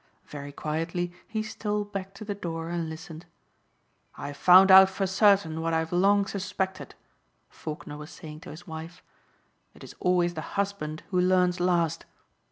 Very quietly he stole back to the door and listened. "I have found out for certain what I have long suspected," Faulkner was saying to his wife. "It is always the husband who learns last.